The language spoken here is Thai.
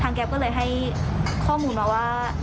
แก๊ปก็เลยให้ข้อมูลมาว่า